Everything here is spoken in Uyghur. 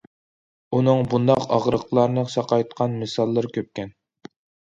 ئۇنىڭ بۇنداق ئاغرىقلارنى ساقايتقان مىساللىرى كۆپكەن.